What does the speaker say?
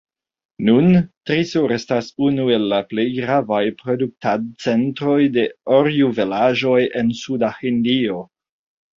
Nun Trissur estas unu el la plej gravaj produktadcentroj de orjuvelaĵoj en Suda Hindio.